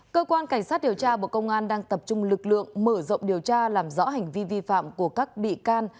cơ quan cảnh sát điều tra bộ công an đang tập trung lực lượng mở rộng điều tra làm rõ hành vi vi phạm của các bị can